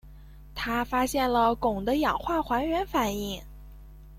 他发现了汞的氧化还原反应。